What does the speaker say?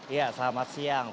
ya selamat siang